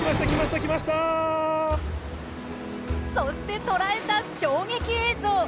そして捉えた衝撃映像。